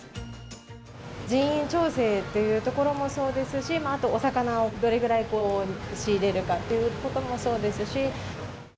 人員調整というところもそうですし、あとお魚をどれぐらい仕入れるかっていうこともそうですし。